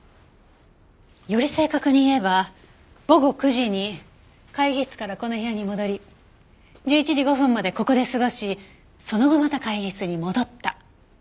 より正確に言えば午後９時に会議室からこの部屋に戻り１１時５分までここで過ごしその後また会議室に戻った。